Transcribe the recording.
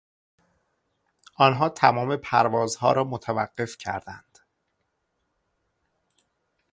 آنها تمام پروازها را متوقف کردند.